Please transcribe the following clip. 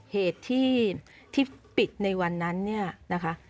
เหตุที่ปิดในวันนั้นเนี่ยนะคะ